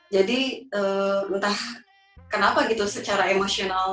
jadi entah kenapa gitu secara emosional